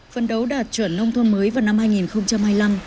phân đấu đạt chuẩn nông thôn mới vào năm hai nghìn hai mươi năm